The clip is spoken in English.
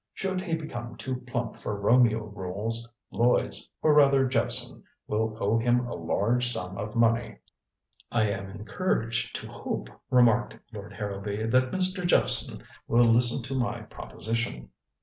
Should he become too plump for Romeo roles, Lloyds or rather Jephson will owe him a large sum of money." "I am encouraged to hope," remarked Lord Harrowby, "that Mr. Jephson will listen to my proposition."